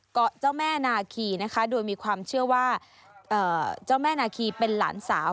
เจ้าแม่นาคีนะคะโดยมีความเชื่อว่าเจ้าแม่นาคีเป็นหลานสาว